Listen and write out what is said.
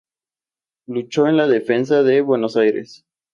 Luchó en la Defensa de Buenos Aires.